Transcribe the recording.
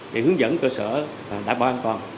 để hướng dẫn cơ sở đảm bảo an toàn